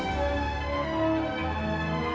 tapi kamu harus atur